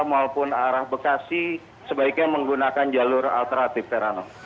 maupun arah bekasi sebaiknya menggunakan jalur alternatif terano